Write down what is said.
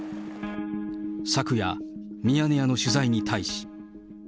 昨夜、ミヤネ屋の取材に対し。